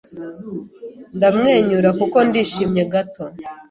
Ndamwenyura kuko ndishimye gato